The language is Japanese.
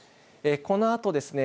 このあとですね